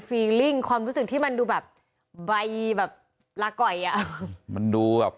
ีลิ่งความรู้สึกที่มันดูแบบใบแบบลาก่อยอ่ะมันดูแบบ